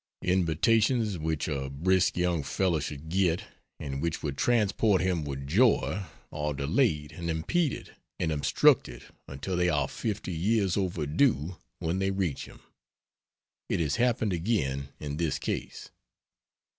Invitations which a brisk young fellow should get, and which would transport him with joy, are delayed and impeded and obstructed until they are fifty years overdue when they reach him. It has happened again in this case.